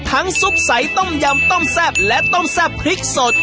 ซุปใสต้มยำต้มแซ่บและต้มแซ่บพริกสด